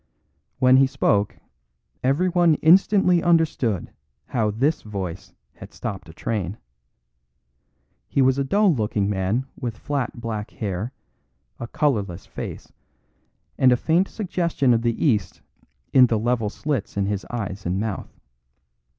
When he spoke everyone instantly understood how this voice had stopped a train. He was a dull looking man with flat black hair, a colourless face, and a faint suggestion of the East in the level slits in his eyes and mouth.